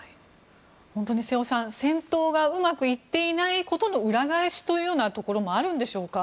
本当に瀬尾さん戦闘がうまくいっていないことの裏返しというようなところもあるんでしょうか